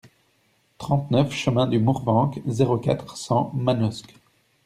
trente-neuf chemin du Mourvenc, zéro quatre, cent Manosque